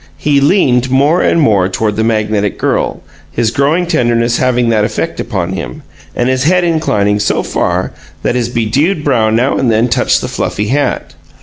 He leaned more and more toward the magnetic girl, his growing tenderness having that effect upon him, and his head inclining so far that his bedewed brow now and then touched the fluffy hat.